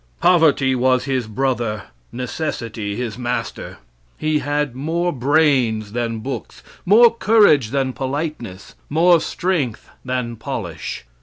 Poverty was his brother, necessity his master. He had more brains than books; more courage than politeness; more strength than polish.